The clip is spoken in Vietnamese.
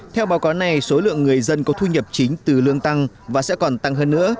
theo báo cáo này số lượng người dân có thu nhập chính từ lương tăng và sẽ còn tăng hơn nữa